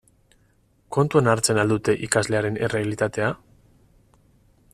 Kontuan hartzen al dute ikaslearen errealitatea?